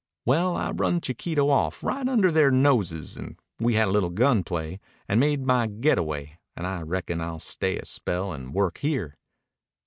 Well I run Chiquito off right under their noses and we had a little gun play and made my getaway and I reckon I will stay a spell and work here.